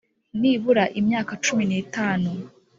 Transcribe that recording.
nibura imyaka cumi n’itanu